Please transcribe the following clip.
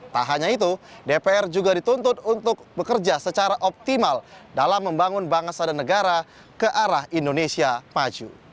tak hanya itu dpr juga dituntut untuk bekerja secara optimal dalam membangun bangsa dan negara ke arah indonesia maju